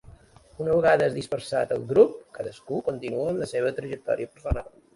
Una vegada és dispersat el grup, cadascú continua amb la seva trajectòria personal.